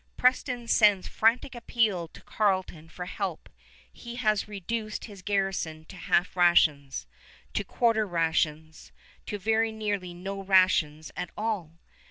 Preston sends frantic appeal to Carleton for help. He has reduced his garrison to half rations, to quarter rations, to very nearly no rations at all!